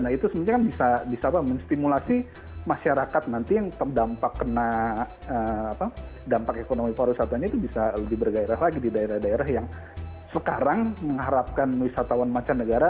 nah itu sebenarnya bisa menstimulasi masyarakat nanti yang terdampak ekonomi pariwisatanya itu bisa dibergairah lagi di daerah daerah yang sekarang mengharapkan wisatawan macanegara